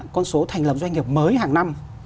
con số thành lập doanh nghiệp mới hàng năm